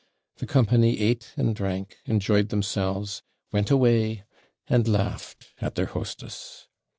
The company ate and drank enjoyed themselves went away and laughed at their hostess.